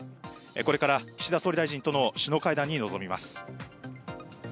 これから岸田総理大臣との首脳会談に臨みます。